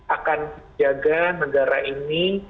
akan menjaga negara ini